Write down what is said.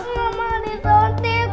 aku gak mau disuntik